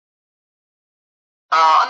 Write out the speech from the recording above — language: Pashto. ویل زما پر وینا غوږ نیسۍ مرغانو `